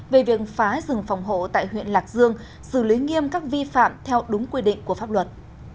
về việc phá rừng phòng hộ tại huyện lạc dương xử lý nghiêm các vi phạm theo đúng quy định của pháp luật